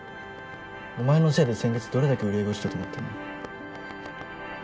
お前のせいで先月どれだけ売り上げ落ちたと思ってんの？